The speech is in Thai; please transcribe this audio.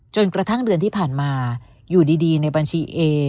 จนกระทั่งเดือนที่ผ่านมาอยู่ดีในบัญชีเอ